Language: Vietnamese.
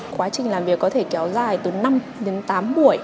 quá trình làm việc có thể kéo dài từ năm đến tám buổi